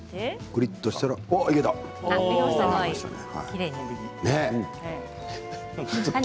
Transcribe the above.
くりっとしたらできた。